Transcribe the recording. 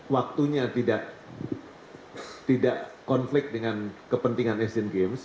waktunya tidak konflik dengan kepentingan asian games